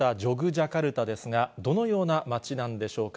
ジャカルタなんですが、どのような街なんでしょうか。